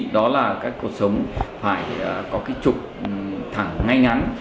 đó là các cột sống phải có trục thẳng ngay ngắn